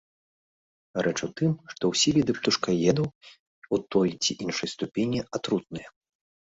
Рэч у тым, што ўсе віды птушкаедаў у той ці іншай ступені атрутныя.